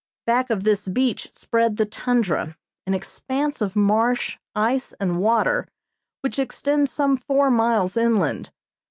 Back of this beach spread the tundra, an expanse of marsh, ice and water, which extends some four miles inland.